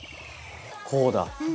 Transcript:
こうだ。